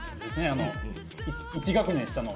あの１学年下の。